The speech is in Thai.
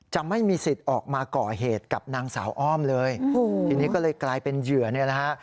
ไม่มีสิทธิ์ออกมาก่อเหตุกับนางสาวอ้อมเลยทีนี้ก็เลยกลายเป็นเหยื่อเนี่ยนะฮะ